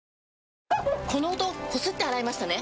この音こすって洗いましたね？